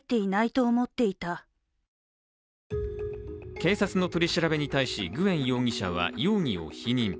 警察の取り調べに対しグエン容疑者は容疑を否認。